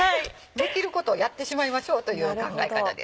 できることをやってしまいましょうという考え方です。